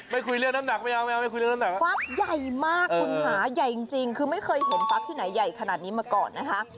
ไม่คุยเรื่องน้ำหนักบ่ยังฟักใหญ่มากคุณฮะใหญ่จริงคือไม่เผื่อเวลาเคยฟักใหญ่ขนาดนี้มาก่อนนะคะ